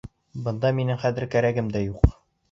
Бында минең хәҙер кәрәгем дә юҡ.